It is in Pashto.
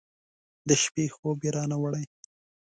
د شپې خوب یې رانه وړی